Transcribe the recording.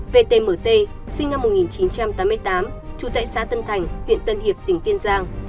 vtmt sinh năm một nghìn chín trăm tám mươi tám trú tại xã tân thành huyện tân hiệp tỉnh kiên giang